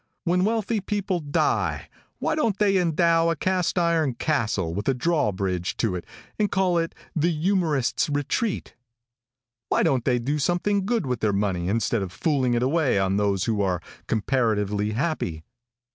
When wealthy people die why don't they endow a cast iron castle with a draw bridge to it and call it the youmorists' retreat? Why don't they do some good with their money instead of fooling it away on those who are comparatively happy?"